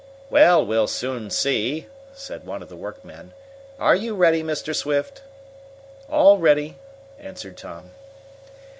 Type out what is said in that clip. "Well, we'll soon see," said one of the workmen. "Are you ready, Mr. Swift?" "All ready," answered Tom.